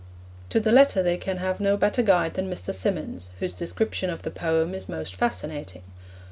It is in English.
To the latter they can have no better guide than Mr. Symonds, whose description of the poem is most fascinating.